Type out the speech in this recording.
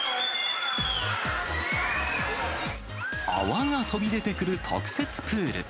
泡が飛び出てくる特設プール。